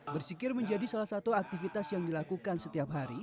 bersikir menjadi salah satu aktivitas yang dilakukan setiap hari